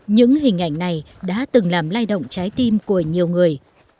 những hình ảnh này đã từng làm lay động trái tim của nhiều người